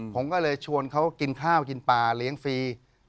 ผมก็เลยชวนเขากินข้าวกินปลาเลี้ยงฟรี